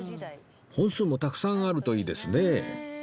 本数もたくさんあるといいですね